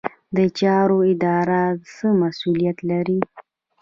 د چارو اداره څه مسوولیت لري؟